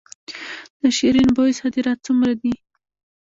د شیرین بویې صادرات څومره دي؟